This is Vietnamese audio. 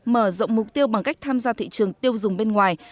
mở rộng mục tiêu bằng cách tham gia thị trường tiêu dùng bên ngoài